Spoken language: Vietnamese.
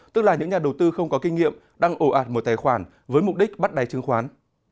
tức là những nhà đầu tư không có kinh nghiệm đang ổ ạt một tài khoản với mục đích bắt đáy chứng khoán